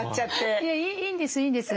いいんですいいんです。